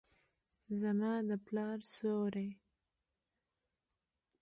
زما د پلار سیوري ،